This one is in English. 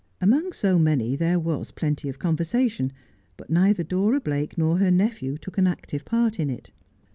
Among so many there was pletity of conversation, but neither Dora Blake nor her nephew took an active part in it.